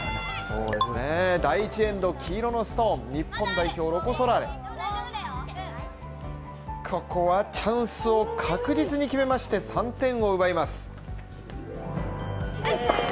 第１エンド黄色のストーン、ここはチャンスを確実に決めまして３点を奪います。